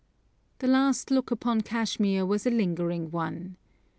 The last look upon Kashmir was a lingering one.